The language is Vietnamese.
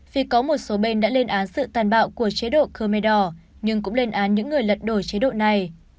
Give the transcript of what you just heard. vì có một số bên đã lên án sự tàn bạo của chế độ khmer đỏ nhưng cũng lên án những người lật đổi chế độ này